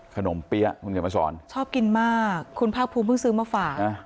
ขนมเปี้ยคุณเดี๋ยวมาสอนชอบกินมากคุณพระภูมิเพิ่งซื้อมาฝากอ่ะ